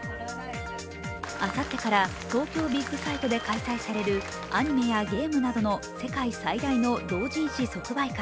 あさってから東京ビッグサイトで開催されるアニメやゲームなどの世界最大の同人誌即売会